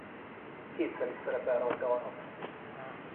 Kétszer is szerepel rajta a Nap.